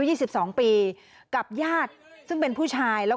ฮะมึงมีปัญหาอะไรนั่งหนา